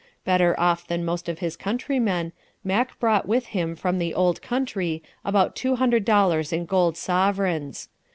Better off than most of his countrymen, Mack brought with him from the Old Country about $200 in gold sovereigns.